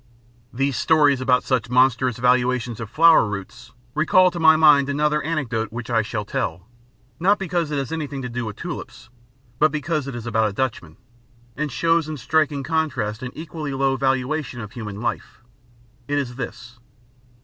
These stories about such monstrous valuations of flower roots recall to my mind another anecdote which I shall tell, not because it has anything to do with tulips, but because it is about a Dutchman, and shows in striking contrast an equally low valuation of human life. It is this.